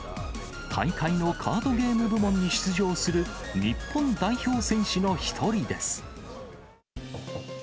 大会のカードゲーム部門に出場する日本代表選手の一人です。